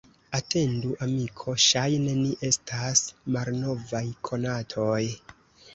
Atendu, amiko, ŝajne ni estas malnovaj konatoj!